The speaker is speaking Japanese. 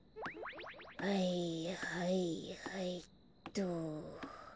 はいはいはいっと。